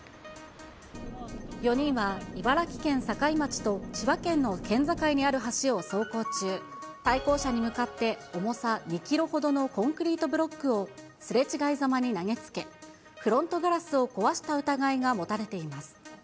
４人は茨城県境町と千葉県の県境にある橋を走行中、対向車に向かって重さ２キロほどのコンクリートブロックをすれ違いざまに投げつけ、フロントガラスを壊した疑いが持たれています。